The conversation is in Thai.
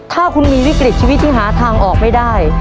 ถ้าคุณมีวิกฤตชีวิตที่หาทางออกไม่ได้